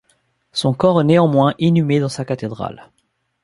Son corps est néanmoins inhumé dans sa cathédrale.